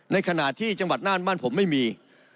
ในขณะที่จังหวัดน่านบ้านผมไม่มี